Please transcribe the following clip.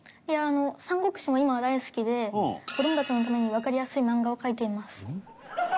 いやあの『三国志』も今は大好きで子どもたちのためにわかりやすい漫画を描いています。